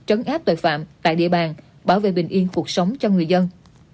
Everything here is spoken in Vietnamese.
trấn áp tội phạm tại địa bàn bảo vệ bình yên cuộc sống cho người dân